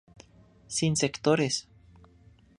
Sin sectores.